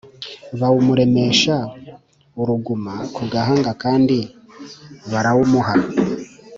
bawumuremesha uruguma ku gahanga kandi barawumuha